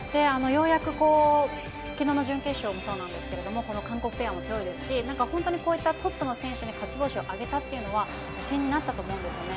ようやく、きのうの準決勝もそうなんですけれども、この韓国ペアも強いですし、なんか本当にこういったトップの選手に勝ち星を挙げたというのは、自信になったと思うんですね。